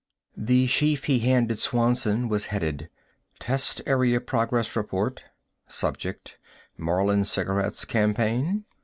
The sheaf he handed Swanson was headed: "Test Area Progress Report. Subject: Marlin Cigarettes Campaign."